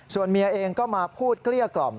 ส่วนเมียเองก็มาพูดเกลี้ยกล่อม